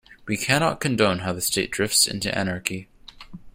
We cannot condone how the state drifts into anarchy.